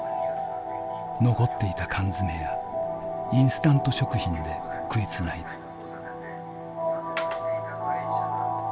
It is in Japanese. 残っていた缶詰やインスタント食品で食いつないだ。